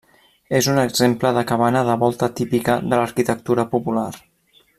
És un exemple de cabana de volta típica de l'arquitectura popular.